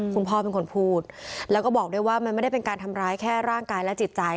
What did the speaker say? คุณพ่อเป็นคนพูดแล้วก็บอกด้วยว่ามันไม่ได้เป็นการทำร้ายแค่ร่างกายและจิตใจ